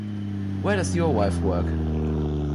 Where does your wife work?